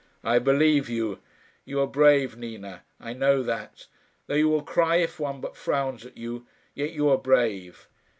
"I believe you. You are brave, Nina. I know that. Though you will cry if one but frowns at you, yet you are brave."